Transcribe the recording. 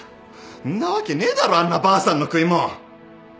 んなわけねえだろあんなばあさんの食い物。